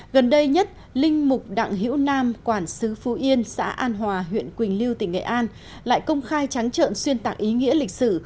gần đây nhất linh mục đặng hữu nam quản sứ phú yên xã an hòa huyện quỳnh lưu tỉnh nghệ an lại công khai trắng trợn xuyên tạc ý nghĩa lịch sử